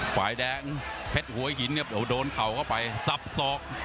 ขวายแดงแพทย์หัวหินโดนเข่าก็ไปซับซอก